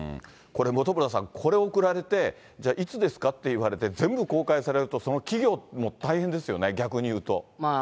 これ本村さん、これ送られて、じゃあいつですかって言われて、全部公開されると、その企業も大変ですよね、逆にいうと。